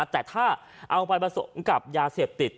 แต่ถ้าเอาไปผสมกับยาเสพติด